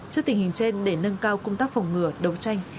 trước tình hình trên để nâng cao công tác phòng ngừa đấu tranh